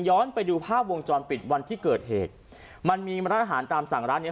ไปดูภาพวงจรปิดวันที่เกิดเหตุมันมีร้านอาหารตามสั่งร้านเนี้ย